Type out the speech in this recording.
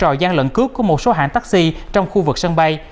trò gian lận cướp của một số hãng taxi trong khu vực sân bay